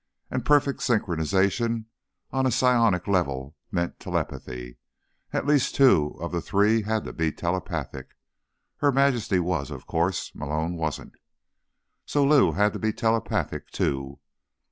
And perfect synchronization on a psionic level meant telepathy. At least two of the three had to be telepathic. Her Majesty was, of course. Malone wasn't. So Lou had to be telepathic, too.